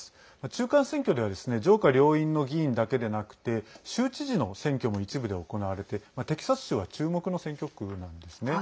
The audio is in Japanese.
中間選挙では上下両院の議員だけでなくて州知事の選挙も一部で行われてテキサス州は注目の選挙区なんですね。